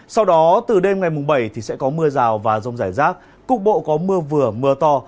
sau đó từ đêm ngày mùng bảy thì sẽ có mưa rào và rông rải rác cục bộ có mưa vừa mưa to